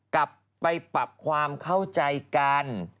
กลับไปปรับความเข้าใจกัน